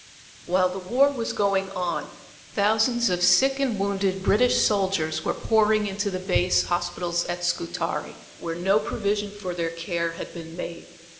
While the war was going on thousands of sick and wounded British soldiers were pouring into the base hospitals at Scutari, where no provision for their care had been made.